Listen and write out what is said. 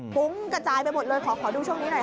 ฟุ้งกระจายไปหมดเลยขอดูช่วงนี้หน่อยค่ะ